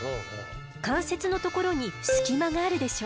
関節のところに隙間があるでしょう？